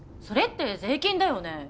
それって税金だよね。